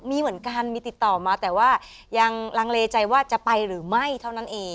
มีเหมือนกันมีติดต่อมาแต่ว่ายังลังเลใจว่าจะไปหรือไม่เท่านั้นเอง